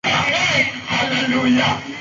sehemu ya kifua kwa ndani